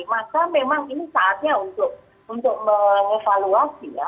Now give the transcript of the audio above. maka memang ini saatnya untuk mengevaluasi ya